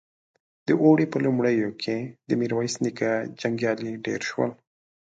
د اوړي په لومړيو کې د ميرويس نيکه جنګيالي ډېر شول.